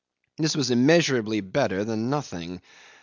This was immeasurably better than nothing.